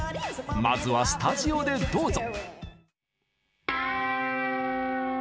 まずはスタジオでどうぞ。